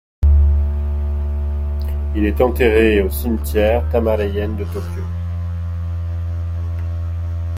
Il est enterré au cimetière Tama Reien de Tōkyō.